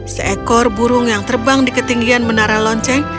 seekor burung yang terbang di ketinggian menara lonceng